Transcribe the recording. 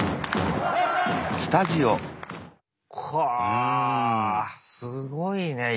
かあすごいね。